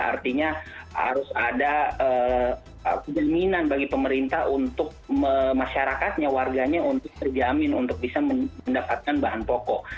artinya harus ada kejaminan bagi pemerintah untuk masyarakatnya warganya untuk terjamin untuk bisa mendapatkan bahan pokok